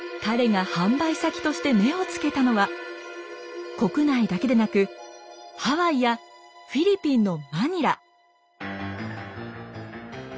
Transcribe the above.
彼が販売先として目をつけたのは国内だけでなくハワイやフィリピンのマニラ。